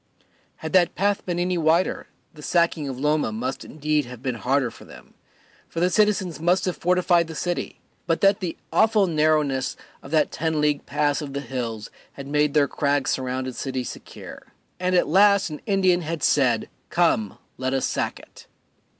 Had that path been any wider the sacking of Loma must indeed have been harder for them, for the citizens must have fortified the city but that the awful narrowness of that ten league pass of the hills had made their crag surrounded city secure. And at last an Indian had said, "Come, let us sack it."